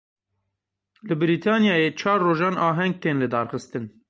Li Brîtanyayê çar rojan aheng tên lidarxistin.